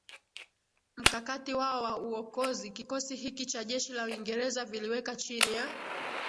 mkakati wao wa uokozi kikosi hiki cha jeshi la uingereza viliweka chini ya